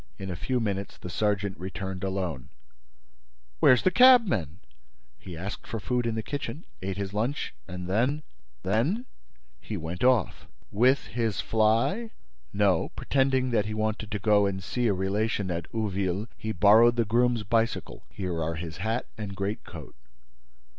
In a few minutes, the sergeant returned alone. "Where's the cabman?" "He asked for food in the kitchen, ate his lunch and then—" "And then—?" "He went off." "With his fly?" "No. Pretending that he wanted to go and see a relation at Ouville, he borrowed the groom's bicycle. Here are his hat and greatcoat."